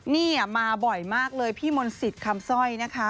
นี่มาบ่อยมากเลยพี่มนต์สิทธิ์คำสร้อยนะคะ